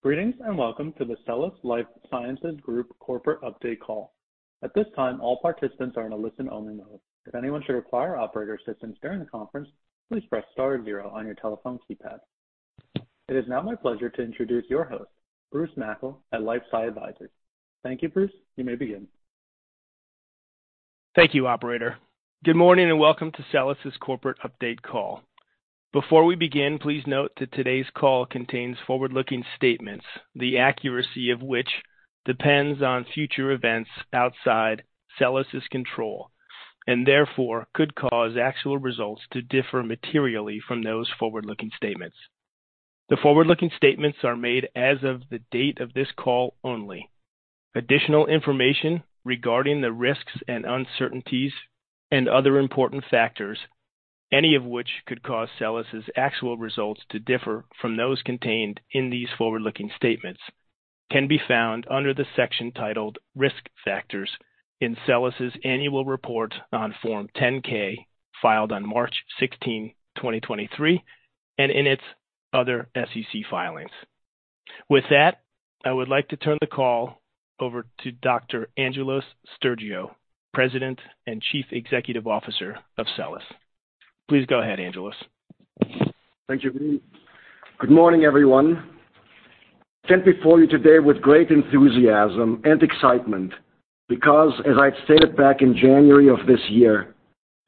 Greetings and welcome to the SELLAS Life Sciences Group corporate update call. At this time, all participants are in a listen-only mode. If anyone should require operator assistance during the conference, please press star zero on your telephone keypad. It is now my pleasure to introduce your host, Bruce Mackle, at LifeSci Advisors. Thank you, Bruce. You may begin. Thank you, Operator. Good morning and welcome to SELLAS's corporate update call. Before we begin, please note that today's call contains forward-looking statements, the accuracy of which depends on future events outside SELLAS's control and therefore could cause actual results to differ materially from those forward-looking statements. The forward-looking statements are made as of the date of this call only. Additional information regarding the risks and uncertainties and other important factors, any of which could cause SELLAS's actual results to differ from those contained in these forward-looking statements, can be found under the section titled: Risk Factors in SELLAS's annual report on Form 10-K filed on March 16, 2023, and in its other SEC filings. With that, I would like to turn the call over to Dr. Angelos Stergiou, President and Chief Executive Officer of SELLAS. Please go ahead, Angelos. Thank you, Bruce. Good morning, everyone. I stand before you today with great enthusiasm and excitement because, as I had stated back in January of this year,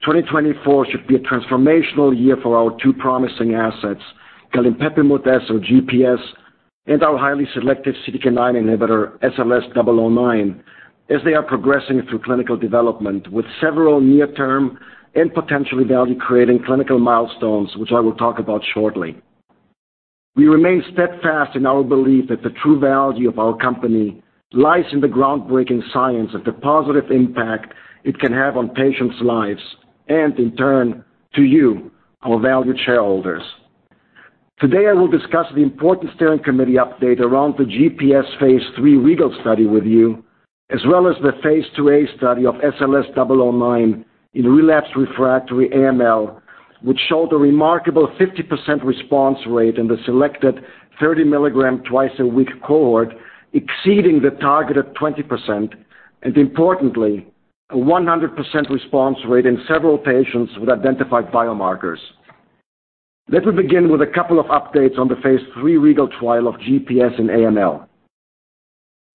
2024 should be a transformational year for our two promising assets, Galinpepimut-S or GPS, and our highly selective CDK9 inhibitor SLS009, as they are progressing through clinical development with several near-term and potentially value-creating clinical milestones which I will talk about shortly. We remain steadfast in our belief that the true value of our company lies in the groundbreaking science of the positive impact it can have on patients' lives and, in turn, to you, our valued shareholders. Today, I will discuss the important steering committee update around the GPS phase III REGAL study with you, as well as the phase IIa study of SLS009 in relapsed refractory AML, which showed a remarkable 50% response rate in the selected 30 mg twice-a-week cohort, exceeding the targeted 20%, and importantly, a 100% response rate in several patients with identified biomarkers. Let me begin with a couple of updates on the phase III REGAL trial of GPS in AML.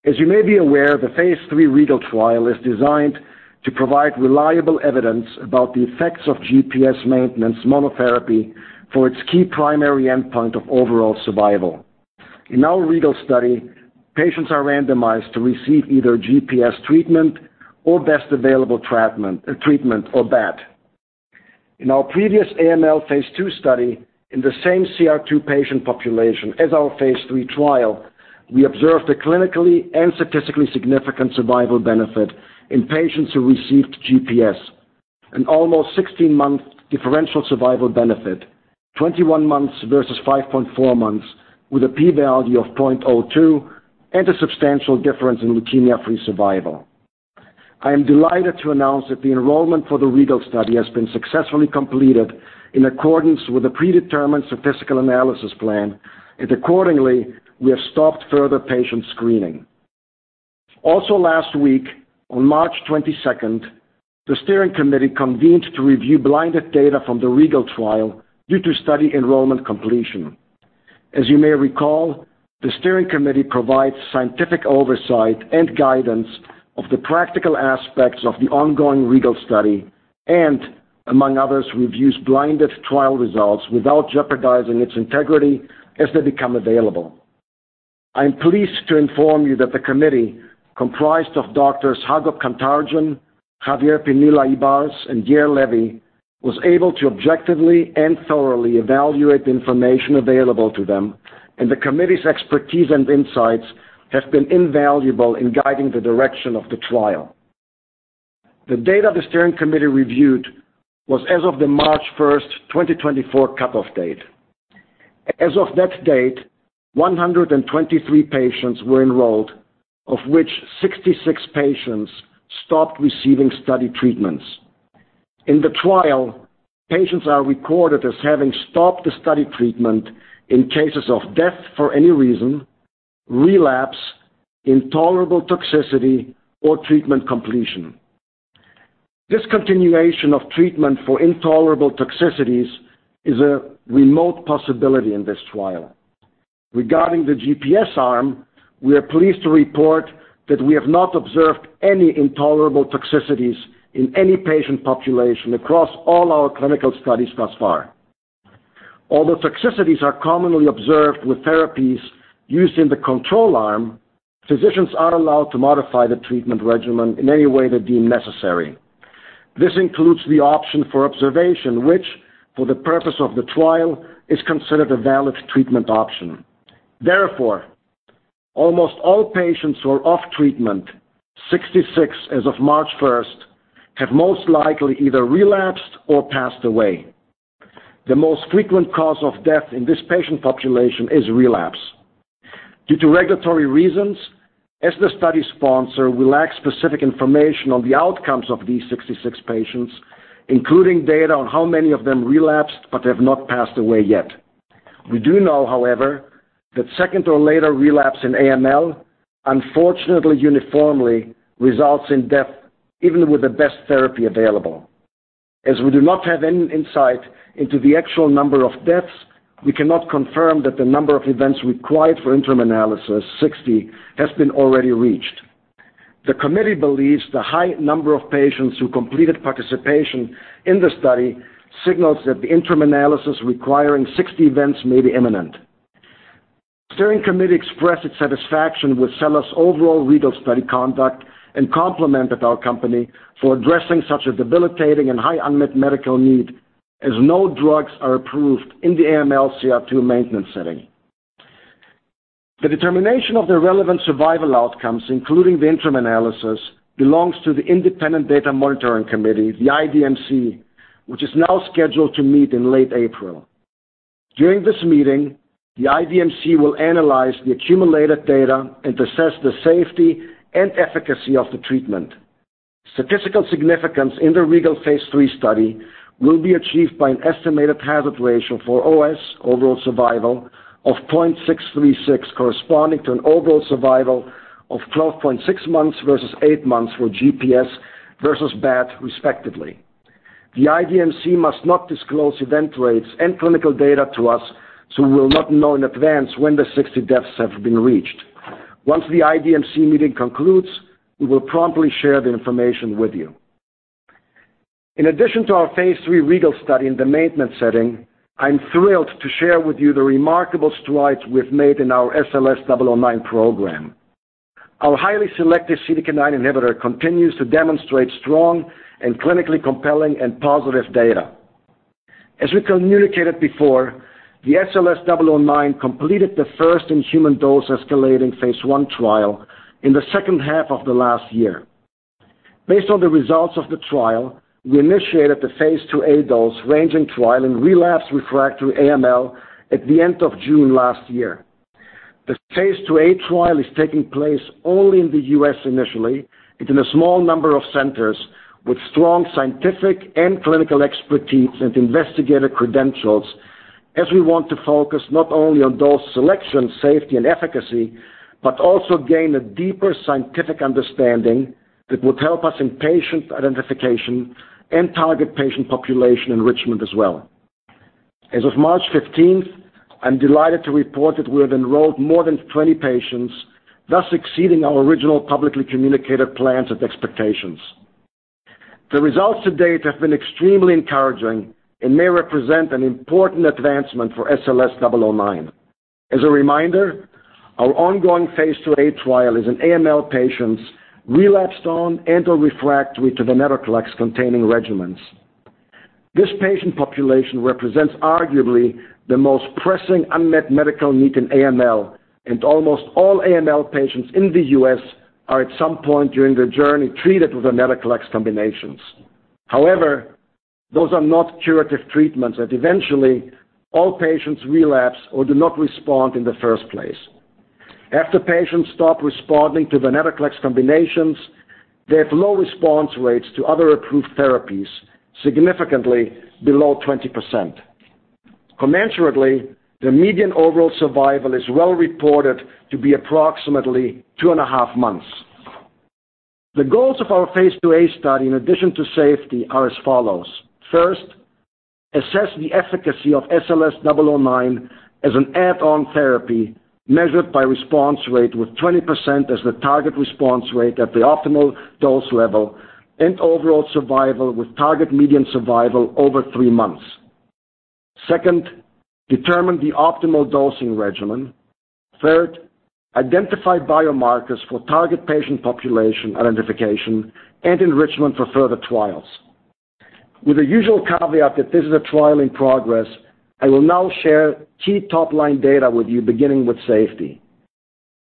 As you may be aware, the phase III REGAL trial is designed to provide reliable evidence about the effects of GPS maintenance monotherapy for its key primary endpoint of overall survival. In our REGAL study, patients are randomized to receive either GPS treatment or best available treatment or BAT. In our previous AML phase II study, in the same CR2 patient population as our phase III trial, we observed a clinically and statistically significant survival benefit in patients who received GPS, an almost 16-month differential survival benefit, 21 months versus 5.4 months, with a p-value of 0.02 and a substantial difference in leukemia-free survival. I am delighted to announce that the enrollment for the REGAL study has been successfully completed in accordance with the predetermined statistical analysis plan, and accordingly, we have stopped further patient screening. Also last week, on March 22nd, the steering committee convened to review blinded data from the REGAL trial due to study enrollment completion. As you may recall, the steering committee provides scientific oversight and guidance of the practical aspects of the ongoing REGAL study and, among others, reviews blinded trial results without jeopardizing its integrity as they become available. I am pleased to inform you that the committee, comprised of Drs. Hagop Kantarjian, Javier Pinilla-Ibarz, and Yair Levy, was able to objectively and thoroughly evaluate the information available to them, and the committee's expertise and insights have been invaluable in guiding the direction of the trial. The data the steering committee reviewed was as of the March 1st, 2024 cutoff date. As of that date, 123 patients were enrolled, of which 66 patients stopped receiving study treatments. In the trial, patients are recorded as having stopped the study treatment in cases of death for any reason, relapse, intolerable toxicity, or treatment completion. Discontinuation of treatment for intolerable toxicities is a remote possibility in this trial. Regarding the GPS arm, we are pleased to report that we have not observed any intolerable toxicities in any patient population across all our clinical studies thus far. Although toxicities are commonly observed with therapies used in the control arm, physicians are allowed to modify the treatment regimen in any way they deem necessary. This includes the option for observation, which, for the purpose of the trial, is considered a valid treatment option. Therefore, almost all patients who are off treatment, 66 as of March 1st, have most likely either relapsed or passed away. The most frequent cause of death in this patient population is relapse. Due to regulatory reasons, as the study sponsor, we lack specific information on the outcomes of these 66 patients, including data on how many of them relapsed but have not passed away yet. We do know, however, that second or later relapse in AML, unfortunately uniformly, results in death even with the best therapy available. As we do not have any insight into the actual number of deaths, we cannot confirm that the number of events required for interim analysis, 60, has been already reached. The committee believes the high number of patients who completed participation in the study signals that the interim analysis requiring 60 events may be imminent. The steering committee expressed its satisfaction with SELLAS' overall REGAL study conduct and complimented our company for addressing such a debilitating and high unmet medical need as no drugs are approved in the AML CR2 maintenance setting. The determination of the relevant survival outcomes, including the interim analysis, belongs to the Independent Data Monitoring Committee, the IDMC, which is now scheduled to meet in late April. During this meeting, the IDMC will analyze the accumulated data and assess the safety and efficacy of the treatment. Statistical significance in the REGAL phase III study will be achieved by an estimated hazard ratio for OS, overall survival, of 0.636, corresponding to an overall survival of 12.6 months versus eight months for GPS versus BAT, respectively. The IDMC must not disclose event rates and clinical data to us, so we will not know in advance when the 60 deaths have been reached. Once the IDMC meeting concludes, we will promptly share the information with you. In addition to our phase III REGAL study in the maintenance setting, I am thrilled to share with you the remarkable strides we have made in our SLS009 program. Our highly selective CDK9 inhibitor continues to demonstrate strong and clinically compelling and positive data. As we communicated before, the SLS009 completed the first-in-human dose escalating phase I trial in the second half of the last year. Based on the results of the trial, we initiated the phase IIa dose ranging trial in relapsed refractory AML at the end of June last year. The phase IIa trial is taking place only in the U.S. initially and in a small number of centers with strong scientific and clinical expertise and investigator credentials, as we want to focus not only on dose selection, safety, and efficacy but also gain a deeper scientific understanding that would help us in patient identification and target patient population enrichment as well. As of March 15th, I am delighted to report that we have enrolled more than 20 patients, thus exceeding our original publicly communicated plans and expectations. The results to date have been extremely encouraging and may represent an important advancement for SLS009. As a reminder, our ongoing phase IIa trial is in AML patients relapsed on and/or refractory to venetoclax-containing regimens. This patient population represents arguably the most pressing unmet medical need in AML, and almost all AML patients in the U.S. are at some point during their journey treated with venetoclax combinations. However, those are not curative treatments that eventually all patients relapse or do not respond in the first place. After patients stop responding to venetoclax combinations, they have low response rates to other approved therapies, significantly below 20%. Commercially, the median overall survival is well reported to be approximately 2.5 months. The goals of our phase IIa study, in addition to safety, are as follows: first, assess the efficacy of SLS009 as an add-on therapy measured by response rate with 20% as the target response rate at the optimal dose level and overall survival with target median survival over three months. Second, determine the optimal dosing regimen. Third, identify biomarkers for target patient population identification and enrichment for further trials. With the usual caveat that this is a trial in progress, I will now share key top-line data with you, beginning with safety.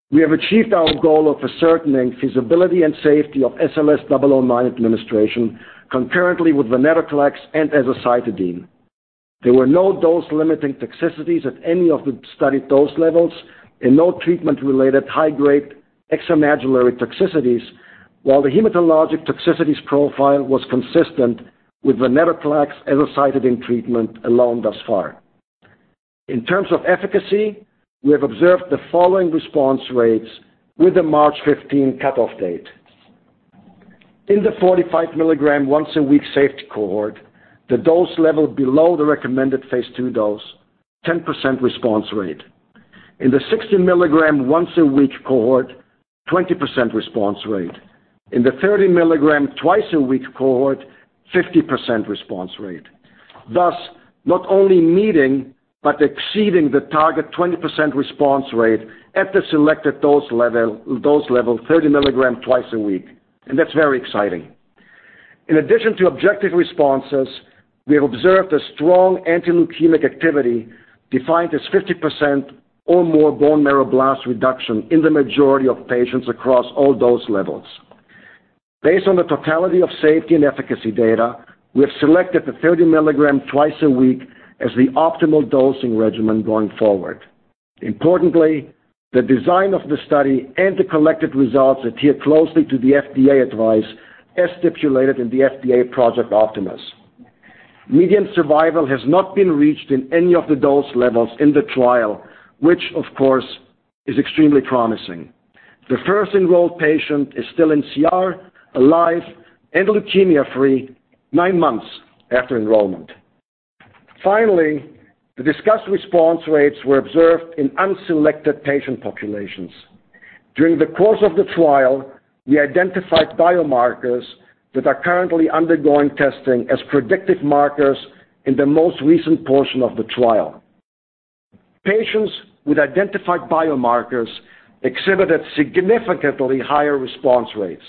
We have achieved our goal of ascertaining feasibility and safety of SLS009 administration concurrently with venetoclax and azacitidine. There were no dose-limiting toxicities at any of the studied dose levels and no treatment-related high-grade extramedullary toxicities, while the hematologic toxicities profile was consistent with venetoclax azacitidine treatment alone thus far. In terms of efficacy, we have observed the following response rates with the March 15th cutoff date: in the 45 mg once-a-week safety cohort, the dose level below the recommended phase II dose, 10% response rate. In the 60 mg once-a-week cohort, 20% response rate. In the 30 mg twice-a-week cohort, 50% response rate. Thus, not only meeting but exceeding the target 20% response rate at the selected dose level, 30 mg twice-a-week, and that's very exciting. In addition to objective responses, we have observed a strong anti-leukemic activity defined as 50% or more bone marrow blast reduction in the majority of patients across all dose levels. Based on the totality of safety and efficacy data, we have selected the 30 mg twice-a-week as the optimal dosing regimen going forward. Importantly, the design of the study and the collected results adhere closely to the FDA advice as stipulated in the FDA Project Optimus. Median survival has not been reached in any of the dose levels in the trial, which, of course, is extremely promising. The first enrolled patient is still in CR, alive, and leukemia-free nine months after enrollment. Finally, the discussed response rates were observed in unselected patient populations. During the course of the trial, we identified biomarkers that are currently undergoing testing as predictive markers in the most recent portion of the trial. Patients with identified biomarkers exhibited significantly higher response rates.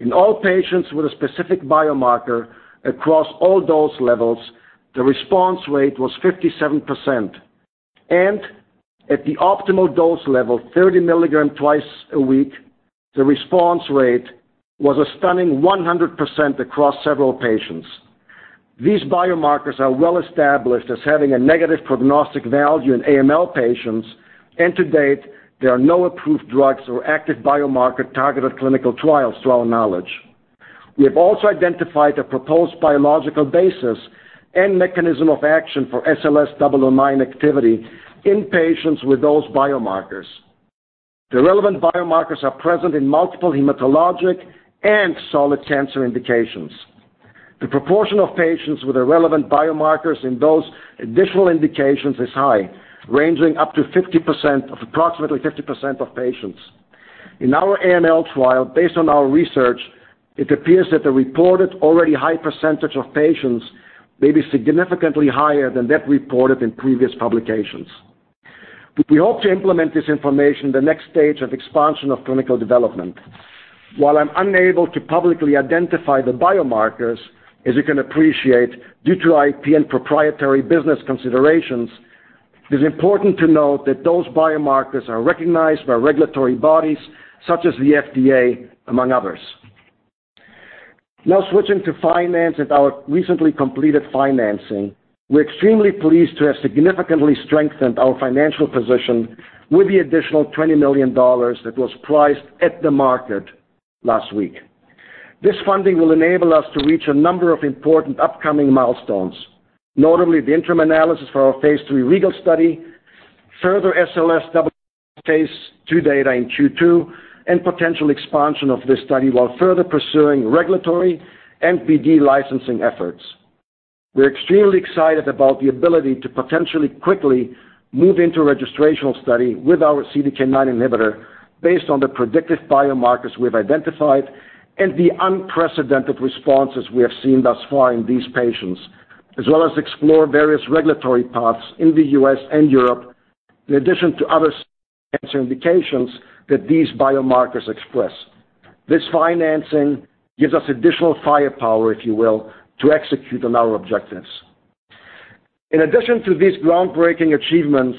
In all patients with a specific biomarker across all dose levels, the response rate was 57%, and at the optimal dose level, 30 mg twice-a-week, the response rate was a stunning 100% across several patients. These biomarkers are well established as having a negative prognostic value in AML patients, and to date, there are no approved drugs or active biomarker targeted clinical trials, to our knowledge. We have also identified a proposed biological basis and mechanism of action for SLS009 activity in patients with those biomarkers. The relevant biomarkers are present in multiple hematologic and solid cancer indications. The proportion of patients with the relevant biomarkers in those additional indications is high, ranging up to 50% of approximately 50% of patients. In our AML trial, based on our research, it appears that the reported already high percentage of patients may be significantly higher than that reported in previous publications. We hope to implement this information in the next stage of expansion of clinical development. While I'm unable to publicly identify the biomarkers, as you can appreciate, due to IP and proprietary business considerations, it is important to note that those biomarkers are recognized by regulatory bodies such as the FDA, among others. Now switching to finance and our recently completed financing, we're extremely pleased to have significantly strengthened our financial position with the additional $20 million that was priced at the market last week. This funding will enable us to reach a number of important upcoming milestones, notably the interim analysis for our phase III REGAL study, further SLS009 phase II data in Q2, and potential expansion of this study while further pursuing regulatory and BD licensing efforts. We're extremely excited about the ability to potentially quickly move into a registrational study with our CDK9 inhibitor based on the predictive biomarkers we have identified and the unprecedented responses we have seen thus far in these patients, as well as explore various regulatory paths in the U.S. and Europe in addition to other cancer indications that these biomarkers express. This financing gives us additional firepower, if you will, to execute on our objectives. In addition to these groundbreaking achievements,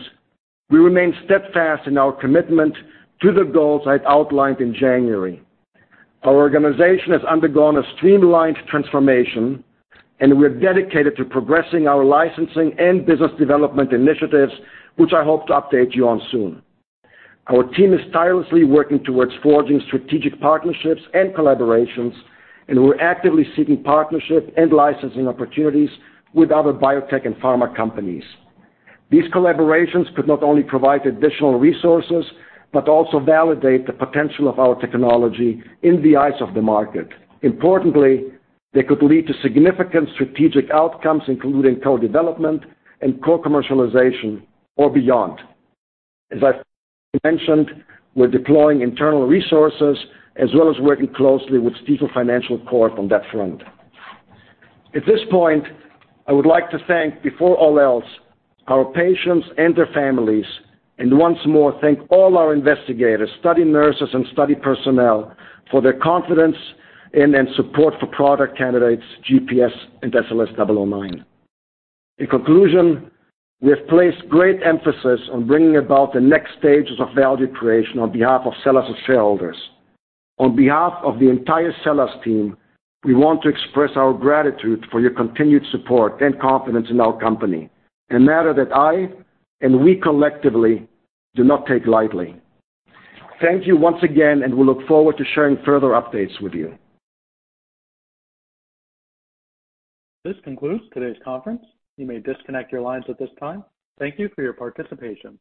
we remain steadfast in our commitment to the goals I had outlined in January. Our organization has undergone a streamlined transformation, and we are dedicated to progressing our licensing and business development initiatives, which I hope to update you on soon. Our team is tirelessly working towards forging strategic partnerships and collaborations, and we're actively seeking partnership and licensing opportunities with other biotech and pharma companies. These collaborations could not only provide additional resources but also validate the potential of our technology in the eyes of the market. Importantly, they could lead to significant strategic outcomes, including co-development and co-commercialization or beyond. As I mentioned, we're deploying internal resources as well as working closely with Stifel Financial Corp. on that front. At this point, I would like to thank, before all else, our patients and their families, and once more thank all our investigators, study nurses, and study personnel for their confidence in and support for product candidates GPS and SLS009. In conclusion, we have placed great emphasis on bringing about the next stages of value creation on behalf of SELLAS' shareholders. On behalf of the entire SELLAS team, we want to express our gratitude for your continued support and confidence in our company, a matter that I and we collectively do not take lightly. Thank you once again, and we look forward to sharing further updates with you. This concludes today's conference. You may disconnect your lines at this time. Thank you for your participation.